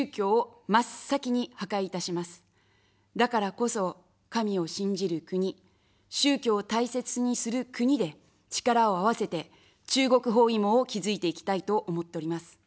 だからこそ、神を信じる国、宗教を大切にする国で力を合わせて、中国包囲網を築いていきたいと思っております。